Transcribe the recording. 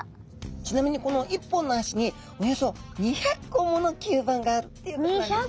ちなみにこの１本の足におよそ２００個もの吸盤があるっていうことなんですね。